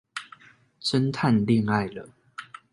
偵探戀愛了